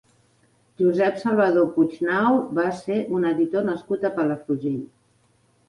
Josep Salvador Puignau va ser un editor nascut a Palafrugell.